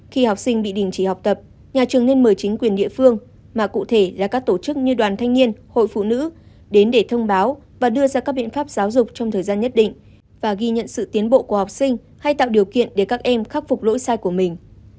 khi học sinh bị đình chỉ học tập nhà trường nên mời chính quyền địa phương mà cụ thể là các tổ chức như đoàn thanh niên hội phụ nữ đến để thông báo và đưa ra các biện pháp giáo dục trong thời gian nhất định và ghi nhận sự tiến bộ của học sinh hay tạo điều kiện để các em khắc phục lỗi sai của mình